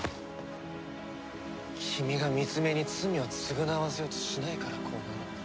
君がミツメに罪を償わせようとしないからこうなるんだ。